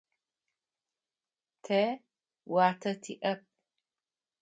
Тэ уатэ тиӏэп.